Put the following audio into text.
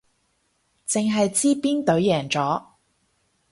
淨係知邊隊贏咗